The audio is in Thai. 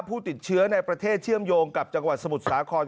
ผู้ติดเชื้อในประเทศเชื่อมโยงกับจังหวัดสมุทรสาคร